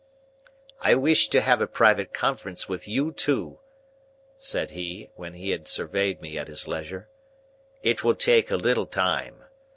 "I wish to have a private conference with you two," said he, when he had surveyed me at his leisure. "It will take a little time.